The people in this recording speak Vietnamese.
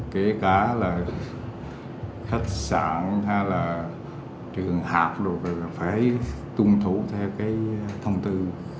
kể cả là khách sạn hay là trường hạp phải tuân thủ theo thông tư ba